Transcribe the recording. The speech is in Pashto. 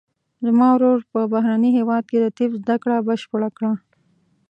زما ورور په بهرني هیواد کې د طب زده کړه بشپړه کړه